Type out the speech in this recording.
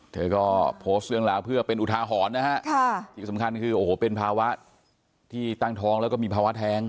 เธอก็โพสต์เรื่องราวเพื่อเป็นอุทาหรณ์นะฮะที่สำคัญคือโอ้โหเป็นภาวะที่ตั้งท้องแล้วก็มีภาวะแท้ง